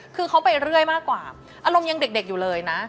คือเขาไปเรื่อยมากกว่าอารมณ์ยังเด็กอยู่เลยนะ